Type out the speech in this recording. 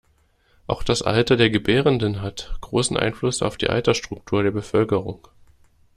Auch das Alter der Gebärenden hat großen Einfluss auf die Altersstruktur der Bevölkerung.